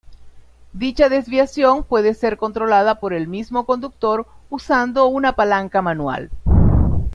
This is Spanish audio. Dicha desviación puede ser controlada por el mismo conductor usando una palanca manual.